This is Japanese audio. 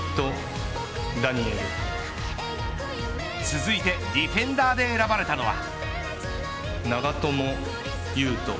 続いてディフェンダーで選ばれたのは。